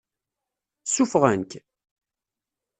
Ssuffɣen-k?